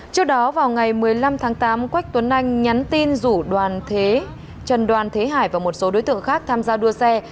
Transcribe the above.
trước đó vào ngày một mươi năm tháng tám quách tuấn anh nhắn tin rủ đoàn thế hải và một số đối tượng khác tham gia đua xe